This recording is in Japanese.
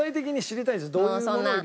どういうものを。